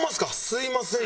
すみません